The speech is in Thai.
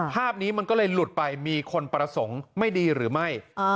ภาพนี้มันก็เลยหลุดไปมีคนประสงค์ไม่ดีหรือไม่